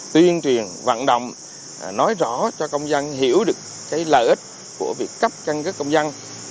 tuyên truyền vận động nói rõ cho công dân hiểu được lợi ích của việc cấp căn cước công dân